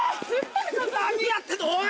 何やってんのおい！